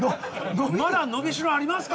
まだ伸びしろありますか？